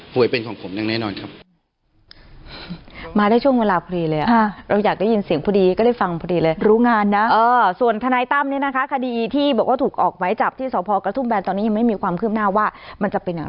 เป็นของผมอย่างแน่นอนครับ